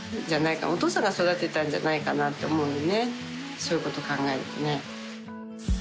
そういうこと考えるとね。